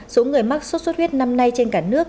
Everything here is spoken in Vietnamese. số người mắc sốt xuất huyết năm nay trên cả nước